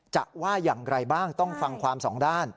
จะว่าอย่างไรบ้างต้องฟังความสองด้าน